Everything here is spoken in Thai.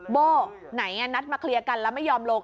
โบ้ไหนนัดมาเคลียร์กันแล้วไม่ยอมลง